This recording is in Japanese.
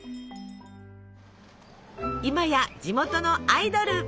今や地元のアイドル！